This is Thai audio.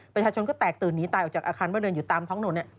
ประชาชนก็แตกตื่นหนีตายออกจากอาคารบ้านเรือนอยู่ตามท้องถนน